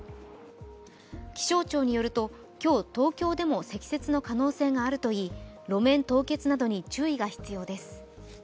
気象庁によると今日、東京でも積雪の可能性があるといい路面凍結などに注意が必要です。